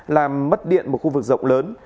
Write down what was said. làm mất điện một khu vực rộng lớn